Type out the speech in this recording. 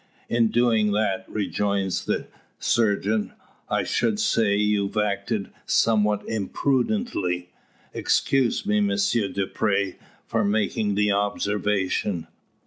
"In doing that," rejoins the surgeon, "I should say you've acted somewhat imprudently. Excuse me, M. Dupre, for making the observation."